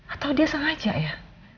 atau dia sengaja ya